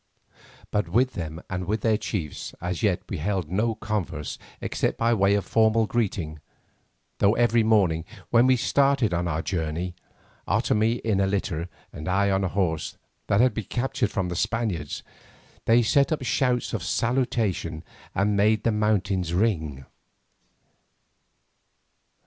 But with them and with their chiefs as yet we held no converse except by way of formal greeting, though every morning when we started on our journey, Otomie in a litter and I on a horse that had been captured from the Spaniards, they set up shouts of salutation and made the mountains ring.